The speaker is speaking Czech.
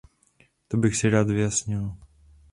To bych si rád vyjasnil.